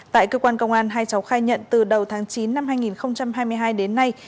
tại cơ quan công an hai cháu khai nhận từ đầu tháng chín năm hai nghìn hai mươi hai đến nay